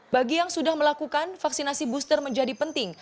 bagi yang sudah melakukan vaksinasi booster menjadi penting